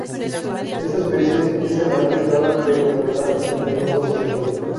Esta especie es errante rara pero regular en Europa occidental.